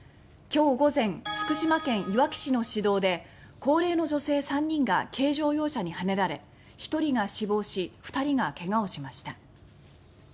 今日午前福島県いわき市の市道で高齢の女性３人が軽乗用車にはねられ１人が死亡２人が怪我をしました。